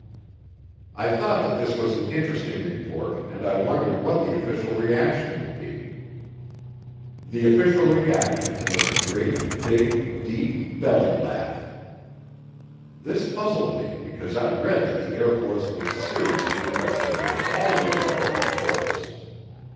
I thought that this was an interesting report and I wondered what the official reaction would be. The official reaction was a great big, deep belly laugh. This puzzled me because I'd read that the Air Force was seriously investigating all UFO reports.